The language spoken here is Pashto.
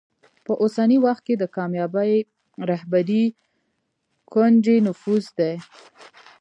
په اوسني وخت کې د کامیابې رهبرۍ کونجي نفوذ دی.